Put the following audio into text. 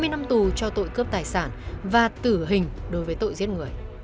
hai mươi năm tù cho tội cướp tài sản và tử hình đối với tội giết người